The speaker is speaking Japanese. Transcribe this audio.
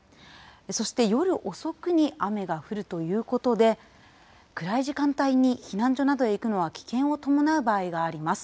そして、夜遅くに雨が降るということで、暗い時間帯に避難所などに行くのは、危険を伴う場合があります。